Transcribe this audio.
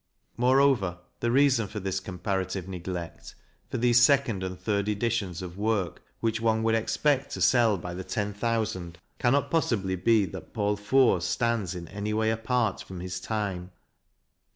Moreover, the reason for this comparative neglect, PAUL FORT 265 for these second and third editions of work which one would expect to sell by the ten thousand, cannot possibly be that Paul Fort stands in any way apart from his time.